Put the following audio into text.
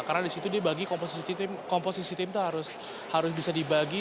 karena di situ dia bagi komposisi tim komposisi tim itu harus bisa dibagi